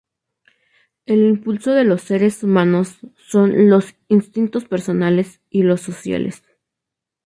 El impulso de los seres humanos son los instintos personales y los sociales.